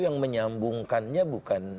yang menyambungkannya bukan